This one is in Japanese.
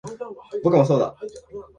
僕もそうだ